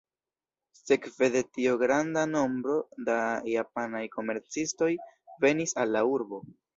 Sekve de tio granda nombro da japanaj komercistoj venis al la urbo.